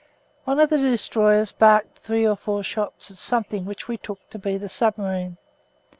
One of the destroyers barked three or four shots at something which we took to be the submarine.